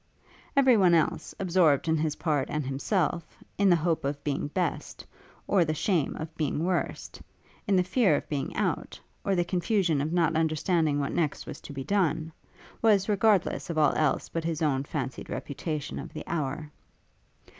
Every one else, absorbed in his part and himself, in the hope of being best, or the shame of being worst; in the fear of being out, or the confusion of not understanding what next was to be done, was regardless of all else but his own fancied reputation of the hour.